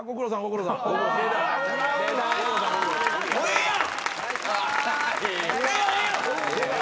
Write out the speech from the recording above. ええやん。